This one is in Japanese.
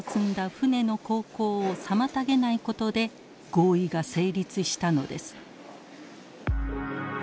船の航行を妨げないことで合意が成立したのです。